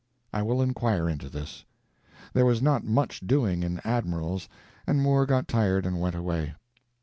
I will inquire into this. There was not much doing in admirals, and Moore got tired and went away.